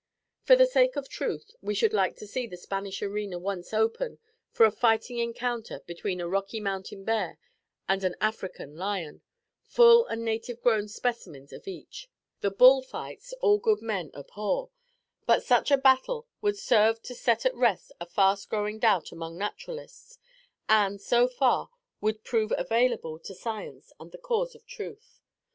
For the sake of truth, we should like to see the Spanish arena once open for a fighting encounter between a Rocky Mountain bear and an African lion, full and native grown specimens of each. The bull fights all good men abhor; but, such a battle would serve to set at rest a fast growing doubt among naturalists; and, so far, would prove available to science and the cause of truth.